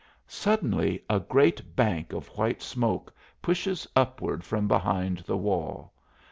Suddenly a great bank of white smoke pushes upward from behind the wall.